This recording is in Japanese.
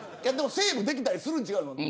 セーブできたりするん違うの。